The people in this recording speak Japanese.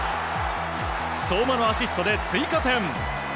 相馬のアシストで追加点。